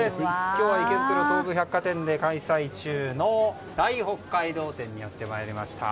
今日は池袋・東武百貨店で開催中の大北海道展にやってまいりました。